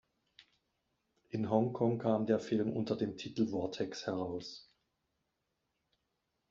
In Hongkong kam der Film unter dem Titel „Vortex“ heraus.